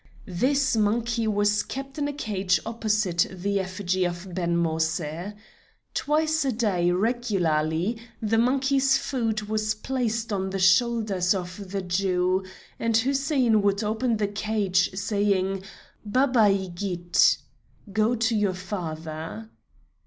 This monkey was kept in a cage opposite the effigy of Ben Moïse. Twice a day regularly the monkey's food was placed on the shoulders of the Jew, and Hussein would open the cage, saying: "Babai git" (go to your father).